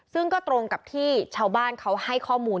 ซึ่งก็ตรงกับที่ชาวบ้านเขาให้ข้อมูล